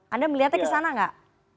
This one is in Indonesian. anda melihatnya ke sana nggak